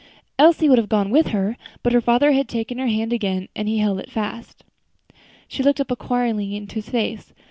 Elsie would have gone with her, but her father had taken her hand again, and he held it fast. She looked up inquiringly into his face.